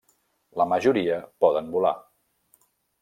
La majoria poden volar.